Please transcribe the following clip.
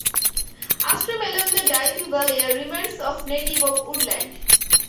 Upstream along the Dyfi Valley are remnants of native oak woodland.